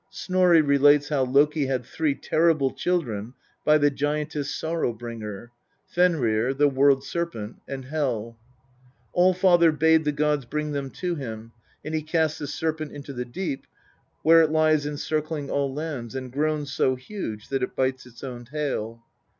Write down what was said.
Snorri relates how Loki had three terrible children by the giantess Sorrow bringer Fenrir, the World serpent, and Hel. "All father bade the j^ods bring them to him, and he cast the Serpent into the deep, where it lies encircling all lands, and grown so huge that it bites its own tail.